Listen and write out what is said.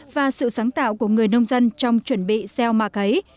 và sự sáng tạo của người nông dân trong chuẩn bị gieo mà cấy